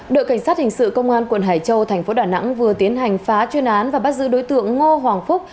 đội cảnh sát hình sự công an quận hải châu tp đà nẵng vừa tiến hành phá chuyên án và bắt giữ đối tượng ngo hoàng phúc